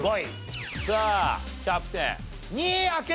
さあキャプテン。